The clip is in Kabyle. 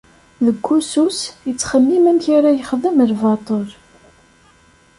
Deg wusu-s, ittxemmim amek ara yexdem lbaṭel.